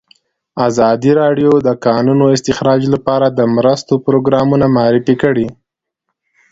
ازادي راډیو د د کانونو استخراج لپاره د مرستو پروګرامونه معرفي کړي.